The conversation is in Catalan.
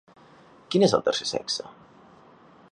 Quin és el tercer sexe?